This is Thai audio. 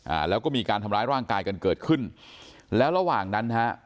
อ่าแล้วก็มีการทำร้ายร่างกายกันเกิดขึ้นแล้วระหว่างนั้นฮะ